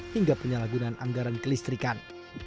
hingga penyalahgunaan anggaran kelistrikan